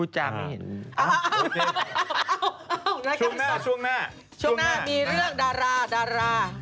ช่วงหน้ามิรึเรื่องดาราดารา